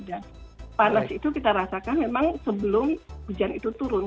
dan panas itu kita rasakan memang sebelum hujan itu turun